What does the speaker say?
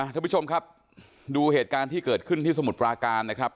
ท่านผู้ชมครับดูเหตุการณ์ที่เกิดขึ้นที่สมุทรปราการนะครับ